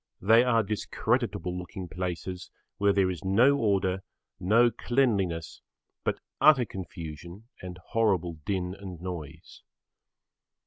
They are [Pg 6]discreditable looking places where there is no order, no cleanliness but utter confusion and horrible din and noise.